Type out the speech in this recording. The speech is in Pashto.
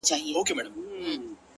o نن مي بيا پنـځه چيلمه ووهـل ـ